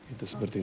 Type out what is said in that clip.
itu seperti itu